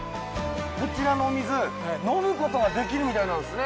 こちらのお水飲む事ができるみたいなんですね。